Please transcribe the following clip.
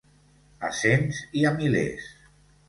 A cents i a milers.